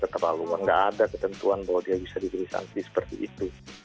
nggak ada ketentuan bahwa dia bisa diberi sanksi seperti itu